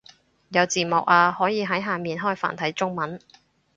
有字幕啊，可以喺下面開繁體中文